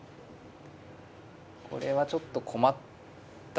これはちょっと困ったですね。